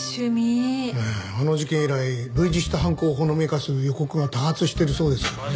あの事件以来類似した犯行をほのめかす予告が多発してるそうですからね。